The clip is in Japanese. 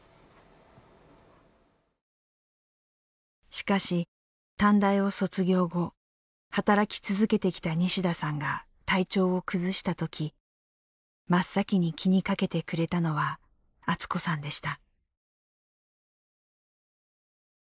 しかし短大を卒業後働き続けてきた西田さんが体調を崩した時真っ先に気にかけてくれたのはアツ子さんでした。